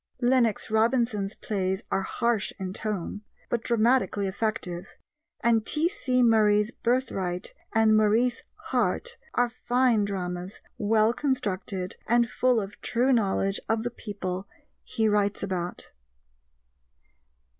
Lennox Robinson's plays are harsh in tone, but dramatically effective, and T.C. Murray's Birthright and Maurice Harte are fine dramas, well constructed and full of true knowledge of the people he writes about.